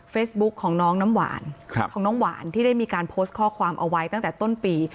ของน้องน้ำหวานของน้องหวานที่ได้มีการโพสต์ข้อความเอาไว้ตั้งแต่ต้นปี